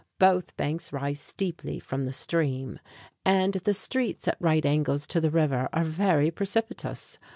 Both banks rise steeply from the stream, and the streets at right angles to the river are very precipitous.